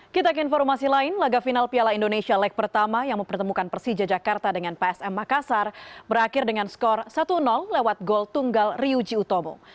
kita ke informasi lain laga final piala indonesia leg pertama yang mempertemukan persija jakarta dengan psm makassar berakhir dengan skor satu lewat gol tunggal ryuji utomo